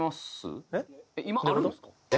今あるんですか？